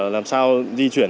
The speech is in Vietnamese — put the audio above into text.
làm sao di chuyển